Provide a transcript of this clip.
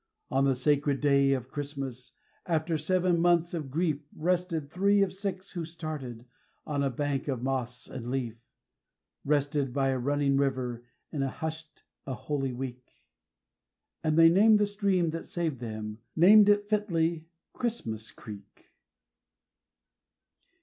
On the sacred day of Christmas, after seven months of grief, Rested three of six who started, on a bank of moss and leaf Rested by a running river, in a hushed, a holy week; And they named the stream that saved them named it fitly "Christmas Creek".